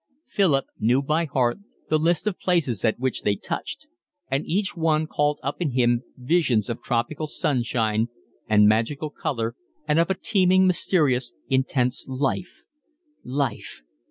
Philip knew by heart the list of places at which they touched; and each one called up in him visions of tropical sunshine, and magic colour, and of a teeming, mysterious, intense life. Life!